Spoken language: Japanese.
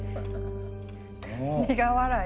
苦笑い。